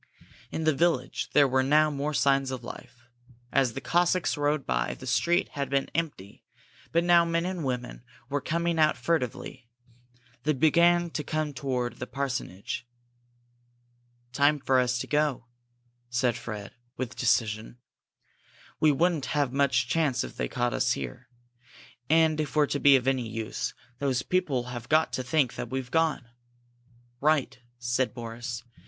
In the village, there were now more signs of life. As the Cossacks rode by, the street had been empty, but now men and women were coming out furtively. They began to come toward the parsonage. "Time for us to go," said Fred, with decision. "We wouldn't have much chance if they caught us here. And if we're to be of any use, those people have got to think that we've gone." "Right!" said Boris.